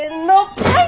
はい！